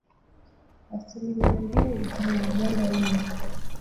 asilimi mbili nchini Uganda nne